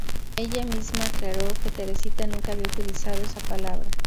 Ella misma aclaró que Teresita nunca había utilizado esa palabra.